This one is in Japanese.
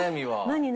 何？